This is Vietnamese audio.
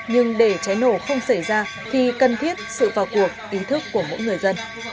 nhưng để cháy nổ không xảy ra thì cần thiết sự vào cuộc ý thức của mỗi người dân